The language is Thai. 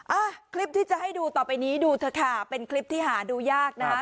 อ่ะคลิปที่จะให้ดูต่อไปนี้ดูเถอะค่ะเป็นคลิปที่หาดูยากนะคะ